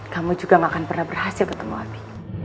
kamu juga gak akan pernah berhasil ketemu api